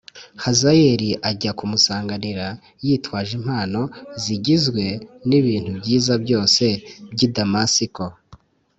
Hazayeli ajya kumusanganira yitwaje impano zigizwe n ibintu byiza byose by i damasiko